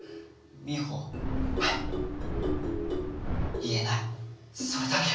言えないそれだけは。